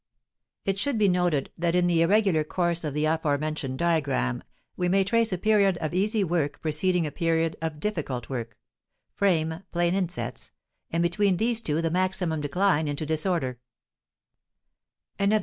It should be noted that in the irregular course of this diagram we may trace a period of easy work preceding a period of difficult work (frame, plane insets) and between these two the maximum decline into disorder.